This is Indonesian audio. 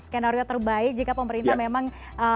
skenario terbaik jika pemerintah memang